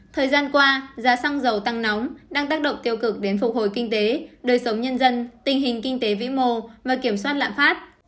thời gian qua giá xăng dầu tăng nóng đang tác động tiêu cực đến phục hồi kinh tế đời sống nhân dân tình hình kinh tế vĩ mô và kiểm soát lạm phát